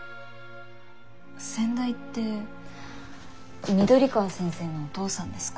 先代って緑川先生のお父さんですか？